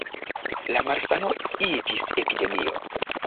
La malsano iĝis epidemio.